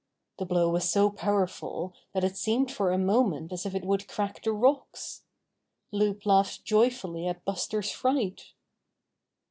The blow was so powerful that it seemed for a moment as if it would crack the rocks. Loup laughed joyfully at Buster's fright.